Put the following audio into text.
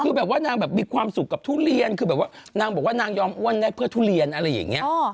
คือแบบว่านางแบบมีความสุขกับทุเรียนคือแบบว่านางบอกว่านางยอมอ้วนได้เพื่อทุเรียนอะไรอย่างนี้